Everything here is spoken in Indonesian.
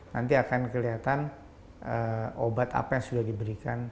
nanti akan kelihatan obat apa yang sudah diberikan